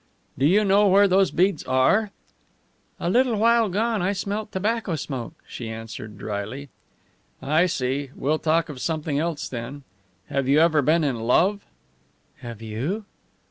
"Do you know where those beads are?" "A little while gone I smelt tobacco smoke," she answered, dryly. "I see. We'll talk of something else then. Have you ever been in love?" "Have you?"